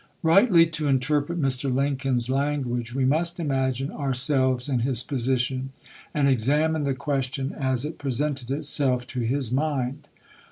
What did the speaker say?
Rightly to interpret Mr. Lincoln's language we must imagine ourselves in his position, and examine the question as it presented itself to his mind.